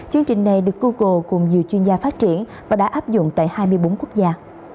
chương trình này được google cùng nhiều chuyên gia phát triển và đã áp dụng tại hai mươi bốn quốc gia